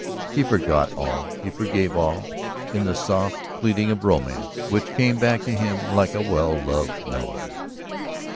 He forgot all, he forgave all, in the soft pleading of romance which came back to him like a well loved melody.